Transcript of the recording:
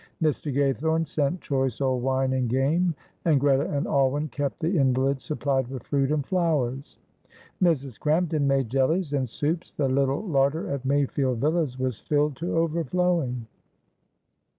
Mr. Gaythorne sent choice old wine and game, and Greta and Alwyn kept the invalid supplied with fruit and flowers. Mrs. Crampton made jellies and soups, the little larder at Mayfield Villas was filled to overflowing.